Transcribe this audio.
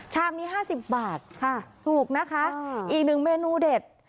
ชามนี้๕๐บาทค่ะถูกนะคะอีกหนึ่งเมนูเด็ด